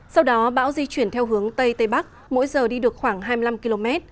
sau đó bão di chuyển theo hướng tây tây bắc mỗi giờ đi được khoảng hai mươi năm km